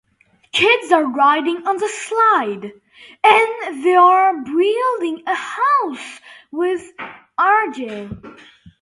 The outstanding warrant was discovered and McLain was jailed in Port Huron, Michigan.